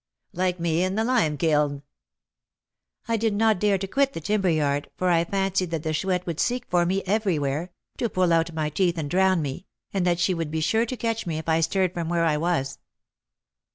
"Like me in the lime kiln." "I did not dare to quit the timber yard, for I fancied that the Chouette would seek for me everywhere, to pull out my teeth and drown me, and that she would be sure to catch me if I stirred from where I was."